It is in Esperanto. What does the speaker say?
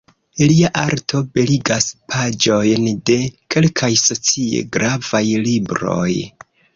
Lia arto beligas paĝojn de kelkaj socie gravaj libroj.